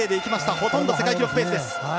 ほとんど世界記録ペース。